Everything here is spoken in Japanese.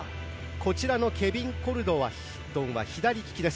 こちらのケビン・コルドンは左利きです。